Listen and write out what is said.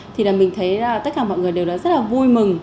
thì là mình thấy tất cả mọi người đều rất là vui mừng